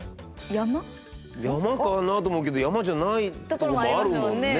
山かなと思うけど山じゃないところもあるもんね。